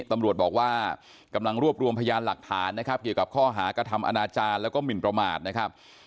ตำรวจบอกว่ากำลังรวบรวมพยานหลักฐานนะครับเกี่ยวกับข้อหากระทำอนาจารย์แล้วก็หมินประมาทนะครับ